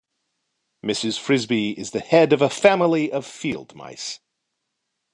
Mrs. Frisby is the head of a family of field mice.